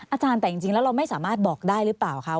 อาจารย์แต่จริงแล้วเราไม่สามารถบอกได้หรือเปล่าคะ